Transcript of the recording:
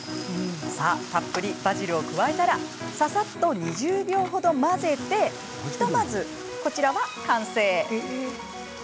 さあ、バジルを加えたらささっと２０秒程、混ぜてひとまず、こちらは完成。